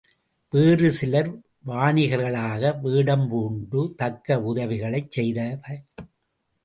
வேறு சிலர் வாணிகர்களாக வேடம் பூண்டு தக்க உதவிகளைச் செய்தவர்.